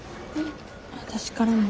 私からも。